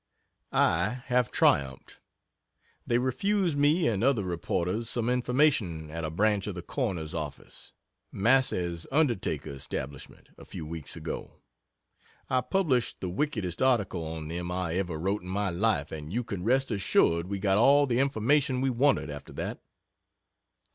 I have triumphed. They refused me and other reporters some information at a branch of the Coroner's office Massey's undertaker establishment, a few weeks ago. I published the wickedest article on them I ever wrote in my life, and you can rest assured we got all the information we wanted after that.